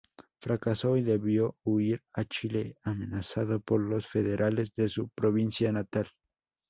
Fracasó y debió huir a Chile, amenazado por los federales de su provincia natal.